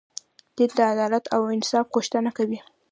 دین د عدالت او انصاف غوښتنه کوي.